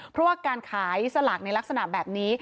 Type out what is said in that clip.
เพราะว่าการขายสลากในลักษณะแบบนี้